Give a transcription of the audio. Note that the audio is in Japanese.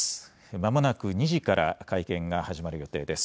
まもなく２時から会見が始まる予定です。